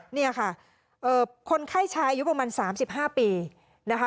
เนี่ยค่ะคนไข้ชายอายุประมาณ๓๕ปีนะคะ